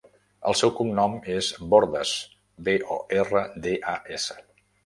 El seu cognom és Bordas: be, o, erra, de, a, essa.